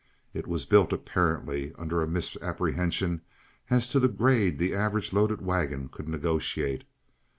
It was built apparently under a misapprehension as to the grade the average loaded wagon could negotiate.